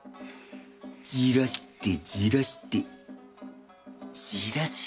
じらしてじらしてじらし抜いてやれ。